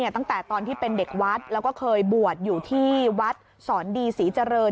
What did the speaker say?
ตั้งแต่ตอนที่เป็นเด็กวัดแล้วก็เคยบวชอยู่ที่วัดสอนดีศรีเจริญ